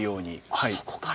あそこから。